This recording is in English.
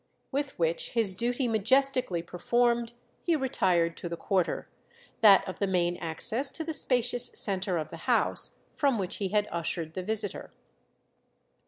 With which, his duty majestically performed, he retired to the quarter—that of the main access to the spacious centre of the house—from which he had ushered the visitor.